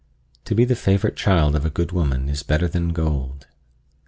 To be the favorite child of a good woman is better than gold.